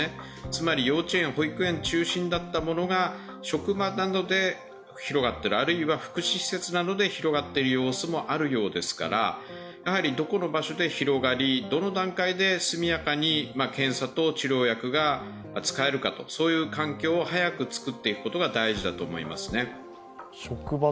つまり、幼稚園、保育園中心だったものが職場などで広がってる、あるいは福祉施設で広がっている様子もあるようですから、どこの場所で広がり、どの段階で速やかに検査と治療薬が使えるかとそういう環境を早く作っていくことが大事だと思いますね。